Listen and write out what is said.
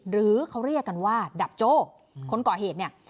หรือเขาเรียกกันว่าดับโจ้คนก่อเหตุเนี่ย